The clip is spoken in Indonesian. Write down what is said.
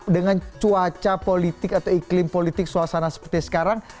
dengan cuaca politik atau iklim politik suasana seperti sekarang